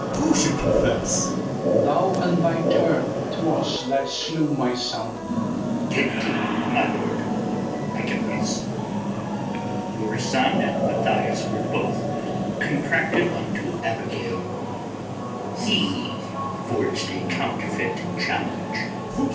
who should confess? FERNEZE. Thou and thy Turk; 'twas that slew my son. ITHAMORE. Guilty, my lord, I confess. Your son and Mathias were both contracted unto Abigail: [he] forged a counterfeit challenge. BARABAS.